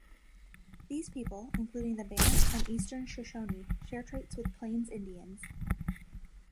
These people, including the Bannock and Eastern Shoshone share traits with Plains Indians.